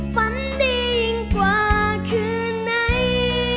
ฝันดียิ่งกว่าคืนไหน